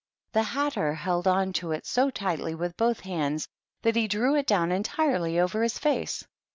The Hatter held on to it so tightly with both hands that he drew it down entirely over his face.